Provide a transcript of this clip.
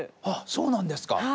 あっそうなんですか？